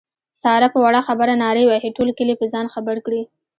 ساره په وړه خبره نارې وهي ټول کلی په ځان خبر کړي.